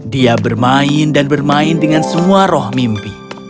dia bermain dan bermain dengan semua roh mimpi